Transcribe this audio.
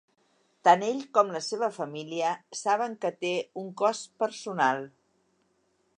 Tant ell com la seva família saben que té un cost personal.